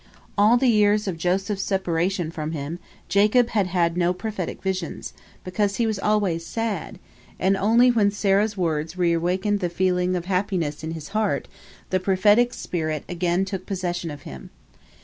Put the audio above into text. All the years of Joseph's separation from him Jacob had had no prophetic visions, because he was always sad, and only when Serah's words reawakened the feeling of happiness in his heart, the prophetic spirit again took possession of him.